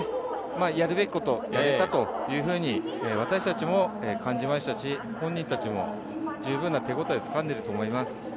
やるべきことをやったというふうに、私たちも感じましたし、本人たちも十分、手応えをつかんでいると思います。